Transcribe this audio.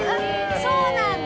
そうなんだ。